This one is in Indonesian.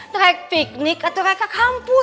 naik piknik atau naik ke kampus